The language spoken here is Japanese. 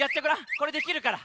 これできるから。